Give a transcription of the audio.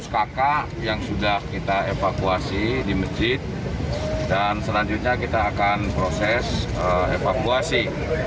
dua ratus kakak yang sudah kita evakuasi di masjid dan selanjutnya kita akan proses evakuasi